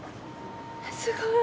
すごい。